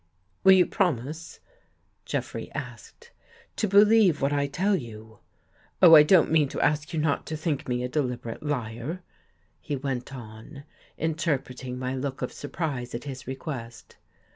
"Will you promise," Jeffrey asked, "to believe what I tell you? Oh, I don't mean to ask you not to think me a deliberate liar," he went on, inter preting my look of surprise at his request.